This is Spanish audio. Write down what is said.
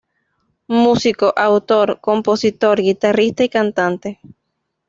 Músico, autor, compositor, guitarrista y cantante.